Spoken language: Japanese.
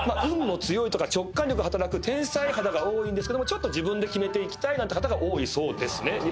運も強いとか直感力が働く天才肌が多いんですけども自分で決めていきたいなんて方が多いそうですね